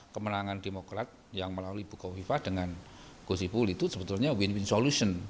kemenangan demokrat yang melalui bukowifa dengan gosipul itu sebetulnya win win solution